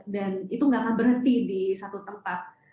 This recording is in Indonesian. dan itu nggak akan berhenti di satu tempat